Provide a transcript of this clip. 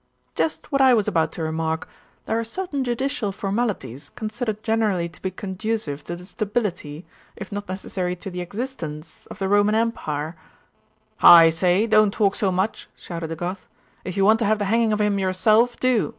'Just what I was about to remark there are certain judicial formalities, considered generally to be conducive to the stability, if not necessary to the existence, of the Roman empire ' 'I say, don't talk so much,' shouted a Goth, 'If you want to have the hanging of him yourself, do.